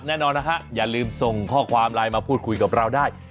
แน่นอนนะฮะอย่าลืมส่งข้อความไลน์มาพูดคุยกับเราได้